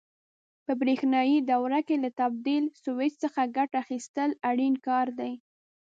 په برېښنایي دوره کې له تبدیل سویچ څخه ګټه اخیستل اړین کار دی.